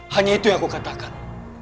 hanya itu yang aku katakan